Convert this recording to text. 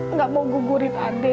nggak mau gugurin adik